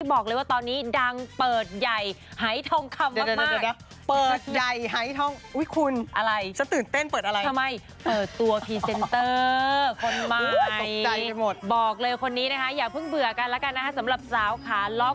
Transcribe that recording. บอกเลยว่าตอนนี้ดังเปิดใหญ่หายทองคำมาก